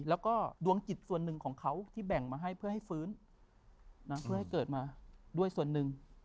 แล้วก็ดวงจิตส่วนหนึ่งของเขาที่แบ่งมาให้เพื่อให้ฟื้นเพื่อให้เกิดมาด้วยส่วนหนึ่ง